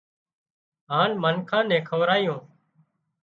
هانَ منکان نين کوَرايون